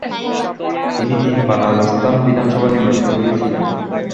তিনি তিনবার রাজস্থান বিধানসভায় নির্বাচিত হয়েছিলেন।